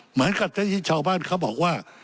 เหมือนกับที่ชาวบ้านเขาบอกว่า